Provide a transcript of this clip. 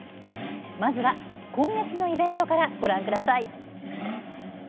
まずは今月のイベントからご覧ください。